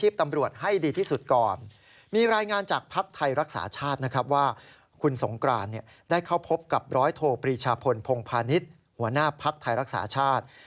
หัวหน้าภักดิ์ไทยรักษาชาติ